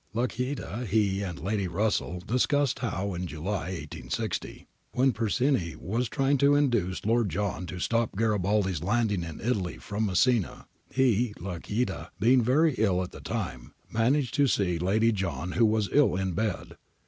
Lacaita, he, and Lady Russell discussed how in July, 1 860, when Persigny was trying to induce Lord John to stop Garibaldi's landing in Italy from Messina, he (Lacaita) being very ill at the time, managed to see Lady John who was ill in bed.